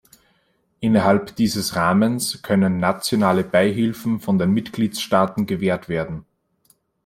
Innerhalb dieses Rahmens können nationale Beihilfen von den Mitgliedstaaten gewährt werden.